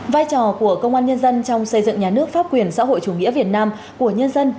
vai trò của công an nhân dân trong xây dựng nhà nước pháp quyền xã hội chủ nghĩa việt nam của nhân dân